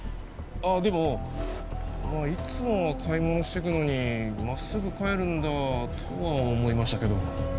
でもいつもは買い物してくのに真っすぐ帰るんだとは思いましたけど。